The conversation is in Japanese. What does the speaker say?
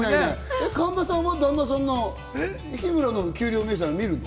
神田さんは旦那さんの日村の給与明細見るの？